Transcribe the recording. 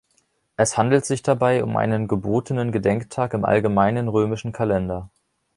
Es handelt sich dabei um einen gebotenen Gedenktag im Allgemeinen Römischen Kalender.